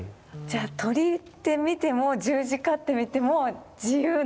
じゃあ鳥って見ても十字架って見ても自由なんですね。